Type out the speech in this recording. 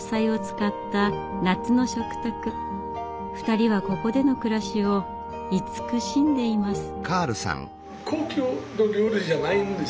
２人はここでの暮らしを慈しんでいます。